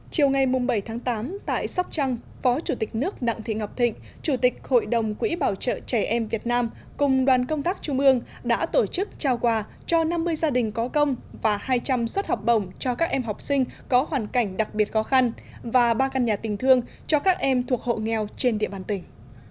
chiều ngày bảy tháng tám tại sóc trăng phó chủ tịch nước đặng thị ngọc thịnh chủ tịch hội đồng quỹ bảo trợ trẻ em việt nam cùng đoàn công tác trung ương đã tổ chức trao quà cho năm mươi gia đình có công và hai trăm linh suất học bổng cho các em học sinh có hoàn cảnh đặc biệt khó khăn và ba căn nhà tình thương cho các em thuộc hộ nghèo trên địa bàn tỉnh